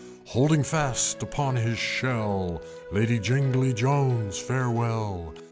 Holding fast upon his shell, "Lady Jingly Jones, farewell!"